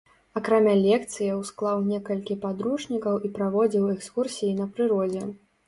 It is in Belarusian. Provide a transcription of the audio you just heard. Акрамя лекцыяў, склаў некалькі падручнікаў і праводзіў экскурсіі на прыродзе.